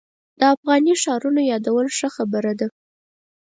د افغاني ښارونو یادول ښه خبره ده.